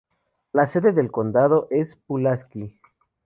La sede del condado es Pulaski.